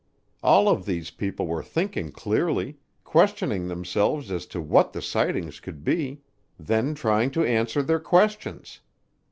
All of these people were thinking clearly, questioning themselves as to what the sightings could be; then trying to answer their questions.